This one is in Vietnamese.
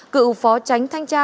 cựu phó tránh thanh tra